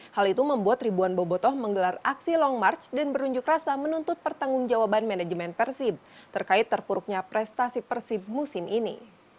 hal itu membuat ribuan bobotoh menggelar aksi long march dan berunjuk rasa menuntut pertanggung jawaban manajemen persib terkait terpuruknya prestasi persib musim ini